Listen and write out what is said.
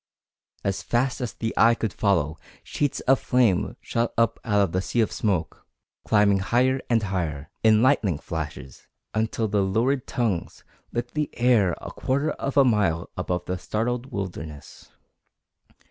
As fast as the eye could follow sheets of flame shot up out of the sea of smoke, climbing higher and higher, in lightning flashes, until the lurid tongues licked the air a quarter of a mile above the startled wilderness.